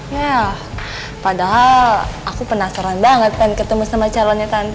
yah padahal aku penasaran banget kan ketemu sama calonnya tante